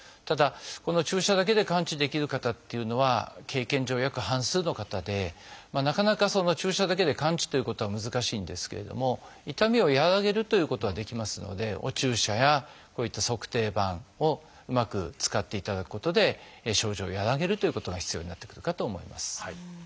ただこの注射だけで完治できる方っていうのは経験上約半数の方でなかなか注射だけで完治ということは難しいんですけれども痛みを和らげるということはできますのでお注射やこういった足底板をうまく使っていただくことで症状を和らげるということが必要になってくるかと思います。